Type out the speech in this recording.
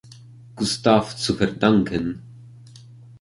Gustaf zu verdanken.